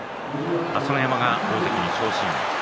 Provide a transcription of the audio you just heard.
朝乃山が大関に昇進。